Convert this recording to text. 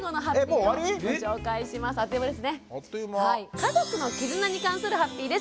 家族の「絆」に関するハッピーです。